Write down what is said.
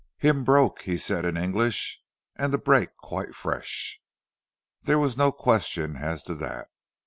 "Him broke," he said in English. "And the break quite fresh." There was no question as to that.